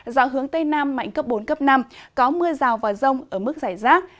giao hướng tây nam mạnh cấp bốn cấp năm có mưa rào và rông ở mức rải rác